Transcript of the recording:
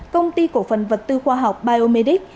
công ty cổ phần vật tư khoa học biomedic